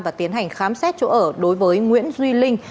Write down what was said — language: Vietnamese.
và tiến hành khám xét chỗ ở đối với nguyễn duy linh